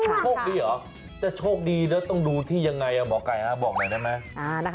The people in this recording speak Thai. โชคดีเหรอจะโชคดีแล้วต้องดูที่ยังไงหมอไก่บอกหน่อยได้ไหม